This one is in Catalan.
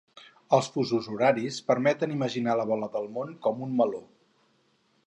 Els fusos horaris permeten imaginar la bola del món com un meló.